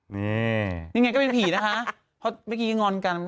นี่ยังไงก็เป็นผีนะคะเพราะเมื่อกี้งอนกัน